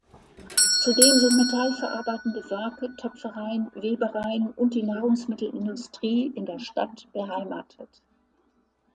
Zudem sind metallverarbeitende Werke, Töpfereien, Webereien und die Nahrungsmittelindustrie in der Stadt beheimatet.